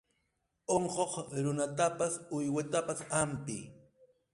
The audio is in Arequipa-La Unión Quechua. Unquq runatapas uywatapas hampiy.